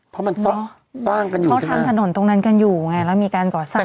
เพราะมันสร้างกันอยู่เขาทำถนนตรงนั้นกันอยู่ไงแล้วมีการก่อสร้าง